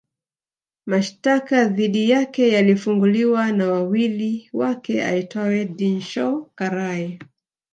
Mashtaka dhidi yake yalifunguliwa na wakili wake aitwae Dinshaw Karai